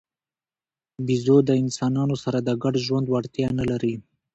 بیزو د انسانانو سره د ګډ ژوند وړتیا نه لري.